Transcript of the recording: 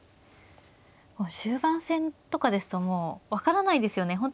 終盤戦とかですともう分からないですよね。